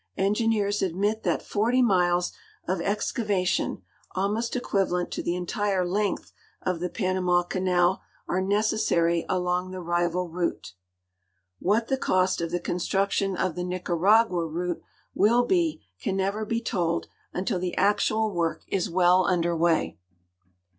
Engineers admit that 40 miU*s of excava tion— almost equivalent to the entire length of the Panama eaiial — are necessary along tlu; rival route. What the cost of the 62 THE PANAMA CANAL ROUTE construction of the Nicaragua route will be can never be told until the actual work is well under way.